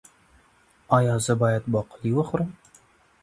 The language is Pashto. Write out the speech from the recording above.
ایا زه باید باقلي وخورم؟